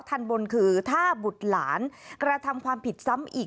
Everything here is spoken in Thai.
ทันบนคือถ้าบุตรหลานกระทำความผิดซ้ำอีก